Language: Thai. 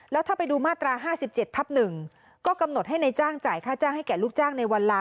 แล้วถ้าไปดูมาตรา๕๗ทับ๑ก็กำหนดให้ในจ้างจ่ายค่าจ้างให้แก่ลูกจ้างในวันลา